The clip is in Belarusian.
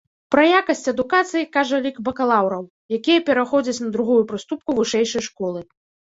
Пра якасць адукацыі кажа лік бакалаўраў, якія пераходзяць на другую прыступку вышэйшай школы.